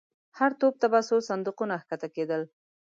هر توپ ته به څو صندوقونه کښته کېدل.